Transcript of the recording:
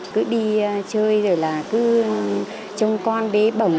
cứ đi chơi rồi là cứ trông con bé bổng